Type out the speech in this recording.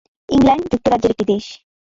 England যুক্তরাজ্যের একটি দেশ।